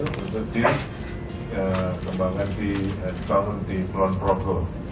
untuk deep kembangan di peluang peluang